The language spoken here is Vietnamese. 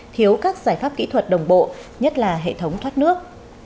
thiếu các giải pháp kỹ thuật đồng bộ nhất là hệ thống thoát nước